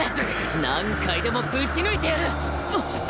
何回でもぶち抜いてやる！